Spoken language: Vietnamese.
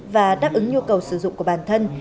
và đáp ứng nhu cầu sử dụng của bản thân